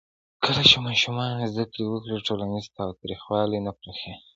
کله چې ماشومان زده کړه وکړي، ټولنیز تاوتریخوالی نه پراخېږي.